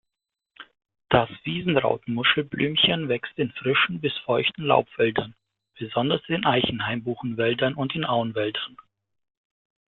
Das Wiesenrauten-Muschelblümchen wächst in frischen bis feuchten Laubwäldern, besonders in Eichen-Hainbuchenwäldern und in Auwäldern.